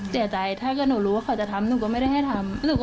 ถ้าเกิดหนูรู้ว่าเขาจะทำหนูก็ไม่ได้ให้ทำ